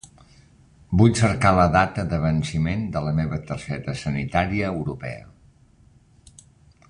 Vull cercar la data de venciment de la meva targeta sanitària europea.